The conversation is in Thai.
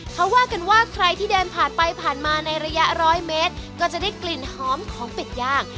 เขาว่ากันว่าใครที่เดินผ่านไปผ่านมาในระยะร้อยเมตรก็จะได้กลิ่นหอมของเป็ดย่าง